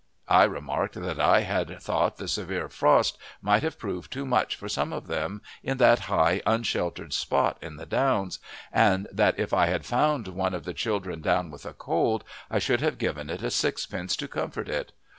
I remarked that I had thought the severe frost might have proved too much for some of them in that high, unsheltered spot in the downs, and that if I had found one of the children down with a cold I should have given it a sixpence to comfort it.